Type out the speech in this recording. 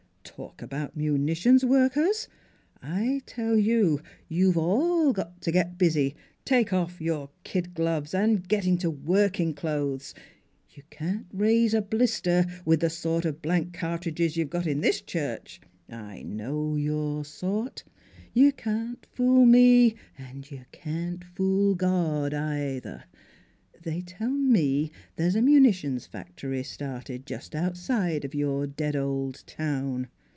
Talk about munitions workers! I tell you you've all got t' get busy take off your kid gloves an' get into working clothes! You can't raise a blister with the sort of blank car tridges you've got in this church. I know your sort. You can't fool me, and you can't fool God, either. They tell me there's a munitions factory started just outside of your dead old town.